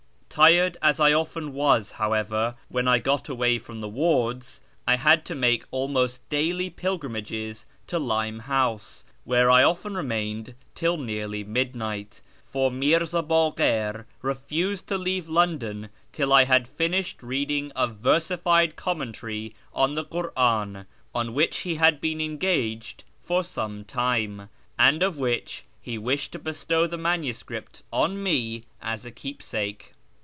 Tired as I often was, however, when I got away from the wards, I had to make almost daily pilgrimages to Limehouse, where I often remained till nearly midnight ; for Mirza Bakir refused to leave London till I had finished reading a versified commentary on the Kur'cin on which he had been engaged for some time, and of which he wished to bestow the manuscript on me as a keepsake.